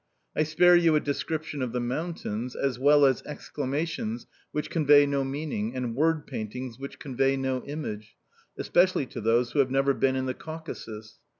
I spare you a description of the mountains, as well as exclamations which convey no meaning, and word paintings which convey no image especially to those who have never been in the Caucasus.